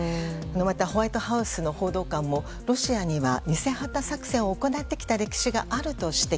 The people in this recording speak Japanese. また、ホワイトハウスの報道官もロシアには偽旗作戦を行ってきた歴史があると指摘。